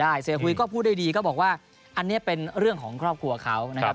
ใช่เสียหุยก็พูดได้ดีก็บอกว่าอันนี้เป็นเรื่องของครอบครัวเขานะครับ